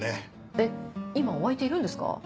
えっ今お相手いるんですか？